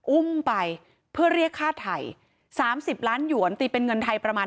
อุ้มไปเพื่อเรียกค่าไทย๓๐ล้านหยวนตีเป็นเงินไทยประมาณ